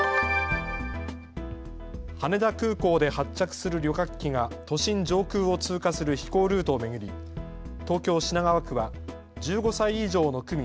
羽田空港で発着する旅客機が都心上空を通過する飛行ルートを巡り、東京品川区は１５歳以上の区民